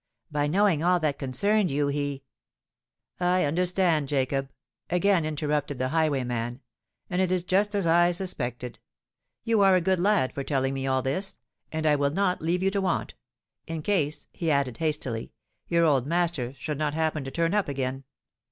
By knowing all that concerned you, he——" "I understand, Jacob," again interrupted the highwayman; "and it is just as I suspected. You are a good lad for telling me all this—and I will not leave you to want—in case," he added hastily, "your old master should not happen to turn up again.